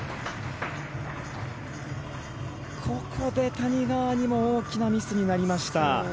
ここで谷川にも大きなミスになりました。